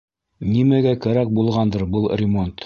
Нимәгә кәрәк булғандыр был ремонт?